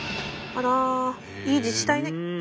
あらいい自治体ね。